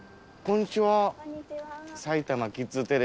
こんにちは。